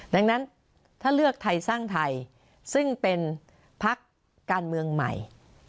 ดังนั้นถ้าเลือกไทยสร้างไทยซึ่งเป็นพักการเมืองใหม่